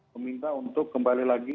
meminta untuk kembali lagi